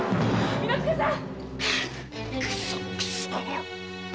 巳之助さん！